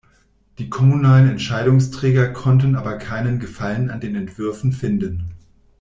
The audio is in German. Die kommunalen Entscheidungsträger konnten aber keinen Gefallen an den Entwürfen finden.